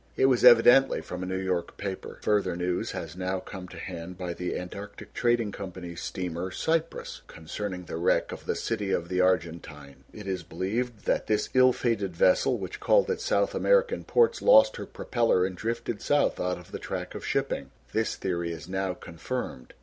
It was evidently from a New York paper: "Further news has now come to hand by the Antarctic Trading Company's steamer, Cyprus, concerning the wreck of the City of the Argentine. It is believed that this ill fated vessel, which called at South American ports, lost her propellor and drifted south out of the track of shipping. This theory is now confirmed.